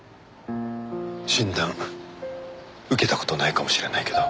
診断受けた事ないかもしれないけど。